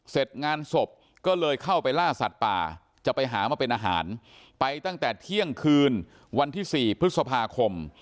เสร็จงานศพก็เลยเข้าไปล่าสัตว์ป่าจะไปหามาเป็นอาหารไปตั้งแต่เที่ยงคืนวันที่๔พฤษภาคม